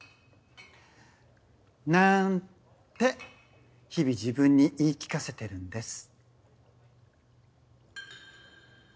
なんて日々自分に言い聞かせてるんです